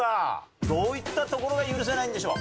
どういったところが許せないんでしょう？